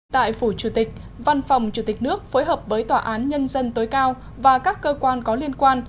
tại phủ chủ tịch văn phòng chủ tịch nước phối hợp với tòa án nhân dân tối cao và các cơ quan có liên quan